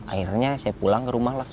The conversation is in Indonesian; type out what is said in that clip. akhirnya saya pulang ke rumah lah